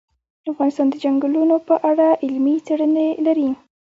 افغانستان د چنګلونه په اړه علمي څېړنې لري.